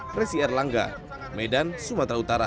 presi erlangga medan sumatera utara